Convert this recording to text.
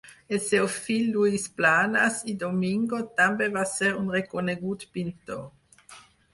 El seu fill Lluís Planes i Domingo també va ser un reconegut pintor.